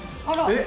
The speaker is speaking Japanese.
えっ！？